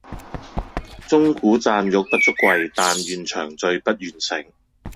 鐘鼓饌玉不足貴，但愿長醉不愿醒！